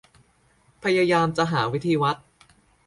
พยายามจะหาวิธีวัด